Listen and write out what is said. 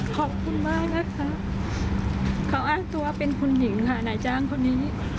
ขอบคุณมากนะคะเขาอ้างตัวเป็นคุณหญิงค่ะนายจ้างคนนี้